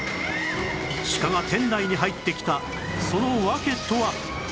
シカが店内に入ってきたその訳とは？